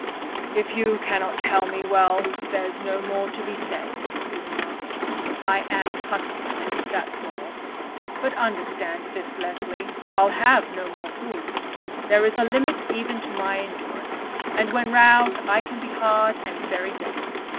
"If you cannot tell me, well, there's no more to be said," he remarked. "I am cut up a bit, that's all. But understand this, Leslie, I'll have no more fooling. There is a limit even to my endurance, and, when roused, I can be hard and very just.